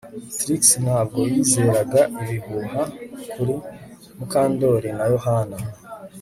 Trix ntabwo yizeraga ibihuha kuri Mukandoli na Yohana